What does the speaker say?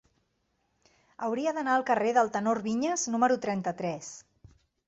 Hauria d'anar al carrer del Tenor Viñas número trenta-tres.